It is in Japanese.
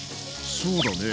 そうだね。